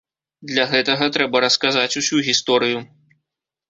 Для гэтага трэба расказаць усю гісторыю.